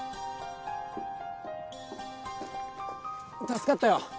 ・助かったよ。